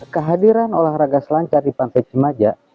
kehadiran olahraga selancar di pantai cimaja